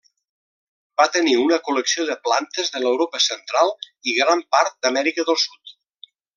Va tenir una col·lecció de plantes de l'Europa central i gran part d'Amèrica del Sud.